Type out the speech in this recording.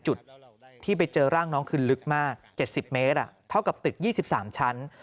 จุดที่ไปเจอร่างน้องคือลึกมาก๗๐เมตรเท่ากับตึก๒๓ชั้น